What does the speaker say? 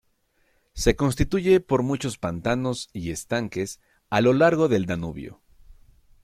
Se constituye por muchos pantanos y estanques a lo largo del Danubio.